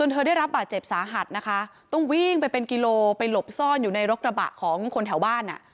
เธอได้รับบาดเจ็บสาหัสนะคะต้องวิ่งไปเป็นกิโลไปหลบซ่อนอยู่ในรถกระบะของคนแถวบ้านอ่ะ